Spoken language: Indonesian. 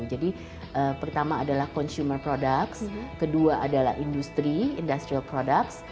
jadi pertama adalah consumer products kedua adalah industry industrial products